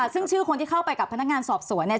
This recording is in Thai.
ซึ่งชื่อคนที่เข้าไปกับพนักงานสอบสวนเนี่ย